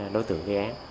đối tượng gây án